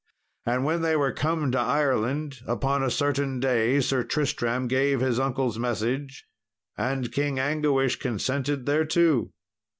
And when they were come to Ireland, upon a certain day Sir Tristram gave his uncle's message, and King Anguish consented thereto.